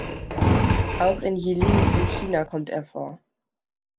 Auch in Jilin in China kommt er vor.